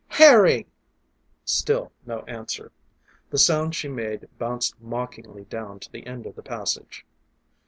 "Harry!" Still no answer. The sound she made bounced mockingly down to the end of the passage.